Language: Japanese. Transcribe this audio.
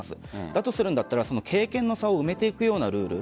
だとするんだったら経験の差を埋めていくようなルール